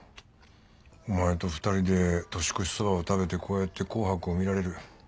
お前と２人で年越しそばを食べてこうやって『紅白』を見られる。